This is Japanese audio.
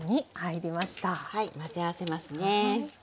混ぜ合わせますね。